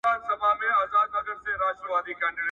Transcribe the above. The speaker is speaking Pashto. ایا کورني سوداګر وچ توت اخلي؟